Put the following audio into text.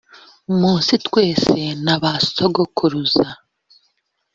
munsi twe na ba sogokuruza